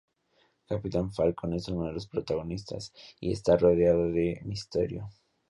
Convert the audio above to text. Captain Falcon es uno de los protagonistas, y está rodeado de misterio.